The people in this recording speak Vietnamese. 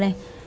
có hôm nay